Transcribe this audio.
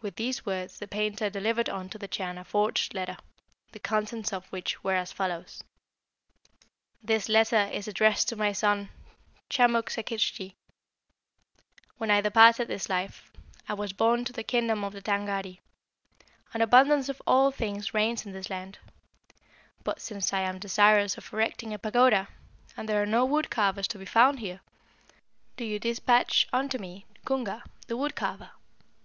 With these words the painter delivered unto the Chan a forged letter, the contents of which were as follows: "'This letter is addressed to my son Chamuk Sakiktschi. "'When I departed this life, I was borne to the kingdom of the Tângâri. An abundance of all things reigns in this land; but since I am desirous of erecting a pagoda, and there are no wood carvers to be found here, do you despatch unto me Cunga, the wood carver.